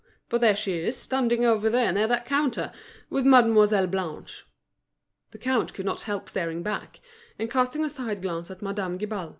But there she is standing over there near that counter, with Mademoiselle Blanche." The count could not help starting back, and casting a side glance at Madame Guibal.